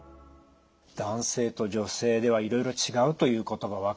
男性と女性ではいろいろ違うということが分かりました。